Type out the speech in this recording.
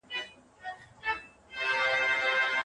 انا په خپل زړه کې لوی درد احساس کړ.